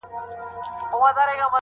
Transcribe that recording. د ځینو نقادانو په خیال